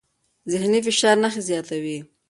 ذهني فشار نښې زیاتوي.